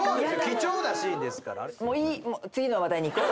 貴重なシーンですから。